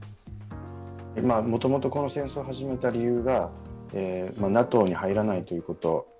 もともと、この戦争を始めた理由がＮＡＴＯに入らないということ。